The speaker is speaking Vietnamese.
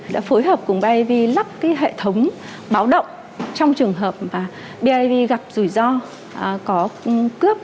đã phối hợp cùng biav lắp hệ thống báo động trong trường hợp biav gặp rủi ro có cướp